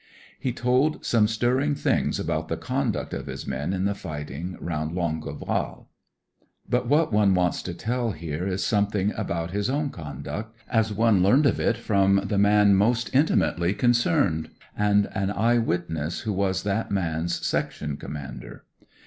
He told some stirring things about the conduct of his men in the fighting round I^ngueval. But what one wants to teU here is something about his own conduct M one learned of it from the man most mtmiately concerned, and an eye witness who was that man's section commander.